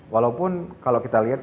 walaupun kalau kita lihat